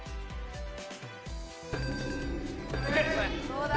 どうだ？